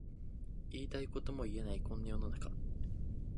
言いたいことも言えないこんな世の中